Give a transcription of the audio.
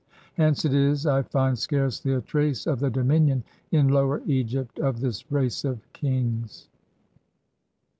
Hence it is I find scarcely a trace of the dominion in Lower Eg^ pt of this race of kings.